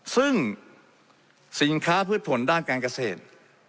ซึ่งสินค้าพืชผลด้านการเกษตร